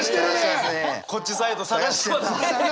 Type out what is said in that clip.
こっちサイド探してますね！